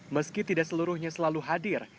meski tidak seluruhnya selalu hadir